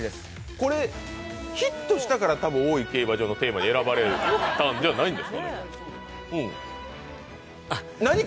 これ、ヒットしたから大井競馬場のテーマに選ばれたんじゃないんですか？